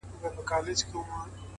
و خوږ زړگي ته مي،